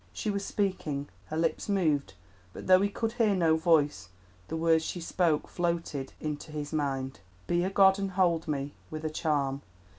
She was speaking; her lips moved, but though he could hear no voice the words she spoke floated into his mind— "Be a god and hold me With a charm!